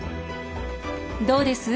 どうです？